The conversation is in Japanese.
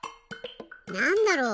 なんだろう？